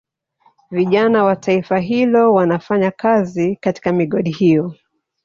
Vijana wa taifa hilo wanafanya kazi katika migodi hiyo